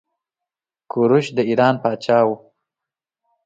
کوروش د ايران پاچا وه.